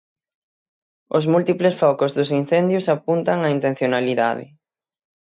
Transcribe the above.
Os múltiples focos dos incendios apuntan á intencionalidade.